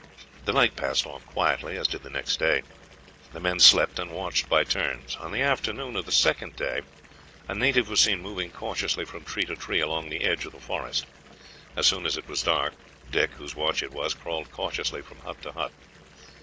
The night passed off quietly, as did the next day. The men slept and watched by turns. On the afternoon of the second day, a native was seen moving cautiously from tree to tree along the edge of the forest. As soon as it was dark, Dick, whose watch it was, crawled cautiously from hut to hut.